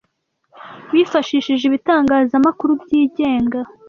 bifashijije ibitangazamakuru byigenga